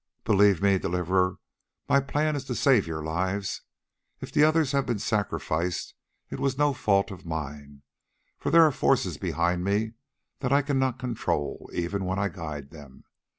"Believe me, Deliverer, my plan is to save your lives. If the others have been sacrificed it was no fault of mine, for there are forces behind me that I cannot control even when I guide them.